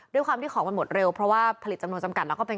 ด้วยความที่ของมันหมดเร็วเพราะว่าผลิตจำนวนจำกัดแล้วก็เป็น